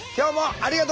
ありがとう。